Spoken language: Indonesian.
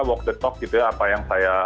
walk the talk gitu ya apa yang saya